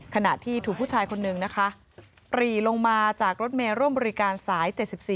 ขณะที่ถูกผู้ชายคนนึงนะคะปรีลงมาจากรถเมย์ร่วมบริการสาย๗๔